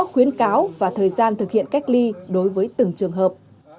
khuyến cáo và thời gian thực hiện cách ly đối với từng trường hợp